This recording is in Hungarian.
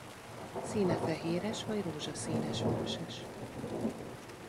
Színe fehéres vagy rózsaszínes-vöröses.